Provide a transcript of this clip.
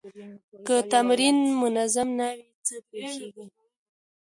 که تمرین منظم نه وي، څه پېښېږي؟